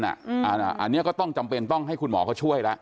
อันนี้ก็ต้องจำเป็นต้องให้คุณหมอเขาช่วยแล้ว